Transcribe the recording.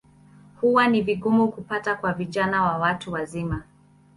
Huwa ni vigumu kupata kwa vijana na watu wazima.